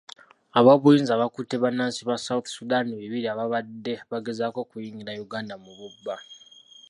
Abobuyinza bakutte bannansi ba South Sudan bibiri ababadde bagezaako okuyingira Uganda mu bubba.